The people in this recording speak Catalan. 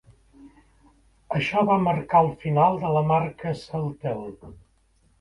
Això va marcar el final de la marca Celtel.